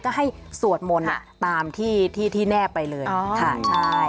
ก็ให้สวดมนต์ตามที่ที่แนบไปเลยค่ะใช่